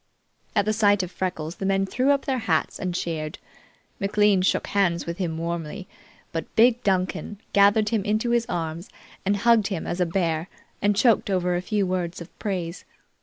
At the sight of Freckles the men threw up their hats and cheered. McLean shook hands with him warmly, but big Duncan gathered him into his arms and hugged him as a bear and choked over a few words of praise.